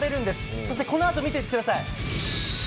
そしてこのあと見ていてください。